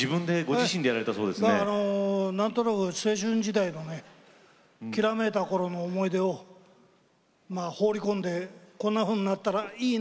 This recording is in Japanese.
なんとなく青春時代のねきらめいた頃の思い出をまあ放り込んでこんなふうになったらいいな